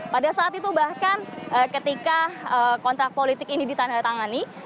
pada saat itu bahkan ketika kontrak politik ini ditandatangani